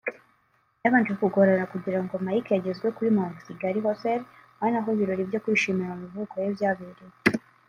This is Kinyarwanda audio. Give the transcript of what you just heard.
Byabanje kugorana kugira ngo Mike agezwe kuri Mount Kigali Hotel ari naho ibirori byo kwishimira amavuko ye byabereye